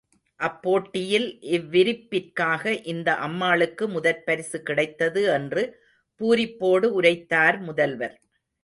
அப்போட்டியில், இவ்விரிப்பிற்காக, இந்த அம்மாளுக்கு முதற் பரிசு கிடைத்தது என்று பூரிப்போடு உரைத்தார் முதல்வர்.